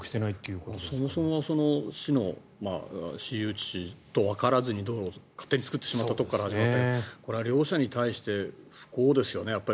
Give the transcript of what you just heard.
そこはそもそも市が私有地とわからずに道路を勝手に作ってしまったところから始まってこれは両者に対して不幸ですよね。